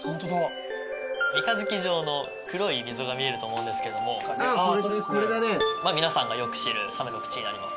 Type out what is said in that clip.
三日月状の黒い溝が見えると思うんですけども皆さんがよく知るサメの口になります。